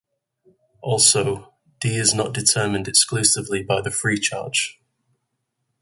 Also, D is not determined exclusively by the free charge.